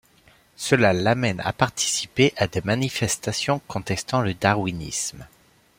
Cela l’amène a participer à des manifestations contestant le darwinisme.